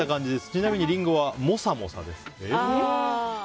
ちなみにリンゴはもさもさです。